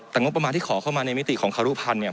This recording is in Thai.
แต่งบประมาณที่ขอเข้ามาในมิติของคารุพันธ์เนี่ย